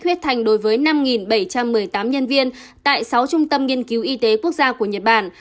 huyết thành đối với năm bảy trăm một mươi tám nhân viên tại sáu trung tâm nghiên cứu y tế quốc gia của nhật bản